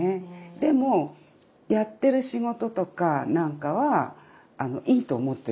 でもやってる仕事とかなんかはいいと思ってるわけよ。